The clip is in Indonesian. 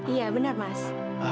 iya benar mas